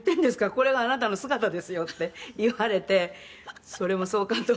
これがあなたの姿ですよ”って言われてそれもそうかと」